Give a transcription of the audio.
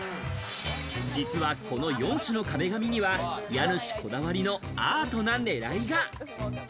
実はこの４種の壁紙には家主こだわりのアートな狙いが。